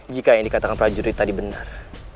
jika yang dikatakan prajurit tadi benar